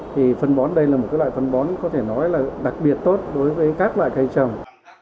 thì phân bón đây là một loại phân bón có thể nói là đặc biệt tốt đối với các loại cây trồng